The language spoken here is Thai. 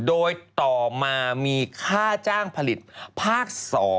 โดยต่อมามีค่าจ้างผลิตภาค๒